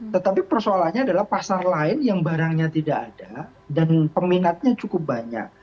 tetapi persoalannya adalah pasar lain yang barangnya tidak ada dan peminatnya cukup banyak